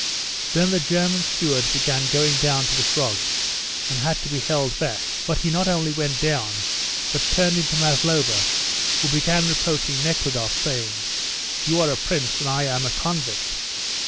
Then the German steward began going down to the frogs, and had to be held back, but he not only went down but turned into Maslova, who began reproaching Nekhludoff, saying, "You are a prince, and I am a convict."